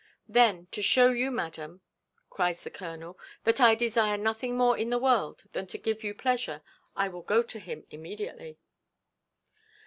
"Then, to show you, madam," cries the colonel, "that I desire nothing more in the world than to give you pleasure, I will go to him immediately."